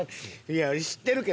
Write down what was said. いや知ってるけど。